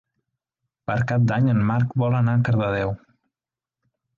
Per Cap d'Any en Marc vol anar a Cardedeu.